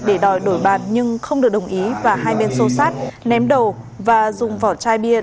để đòi đổi bàn nhưng không được đồng ý và hai bên xô xát ném đồ và dùng vỏ chai bia